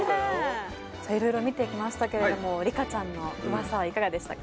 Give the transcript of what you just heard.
さぁいろいろ見てきましたけれどもリカちゃんのウワサいかがでしたか？